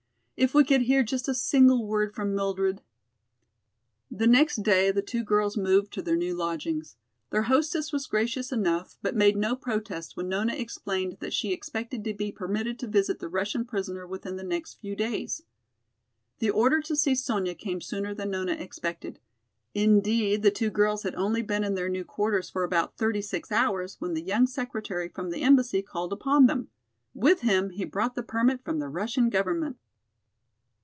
"If we could hear just a single word from Mildred!" The next day the two girls moved to their new lodgings. Their hostess was gracious enough, but made no protest when Nona explained that she expected to be permitted to visit the Russian prisoner within the next few days. The order to see Sonya came sooner than Nona expected. Indeed, the two girls had only been in their new quarters for about thirty six hours when the young secretary from the embassy called upon them. With him he brought the permit from the Russian government.